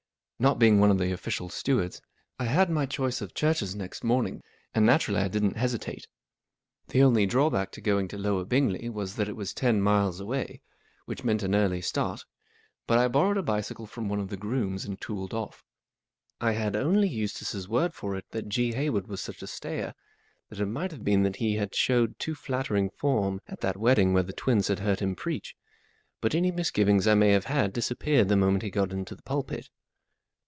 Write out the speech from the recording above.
Not being one of the official stewards, I had my choice of churches next morning, and naturally I didn't hesitate. The only drawback to going to Lower Bingley was that it was ten miles away, which meant an early start, but I borrowed a bicycle from one of the grooms and tooled off. I had only Eustace's word for it that G* Hayward was such a stayer, and it might have been that he had showed too flattering form at that wedding where the twins had heard him preach ; but any misgivings I may have had disappeared the moment he got into the pulpit.